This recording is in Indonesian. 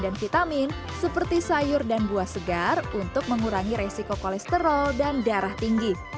dan vitamin seperti sayur dan buah segar untuk mengurangi resiko kolesterol dan darah tinggi